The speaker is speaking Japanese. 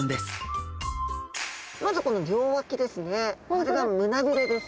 これが胸びれです。